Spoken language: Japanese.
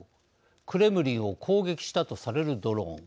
クレムリンを攻撃したとされるドローン。